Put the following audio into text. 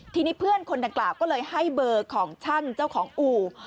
ทีนี้เพื่อนคนดังกล่าวก็เลยให้เบอร์ของช่างเจ้าของอู่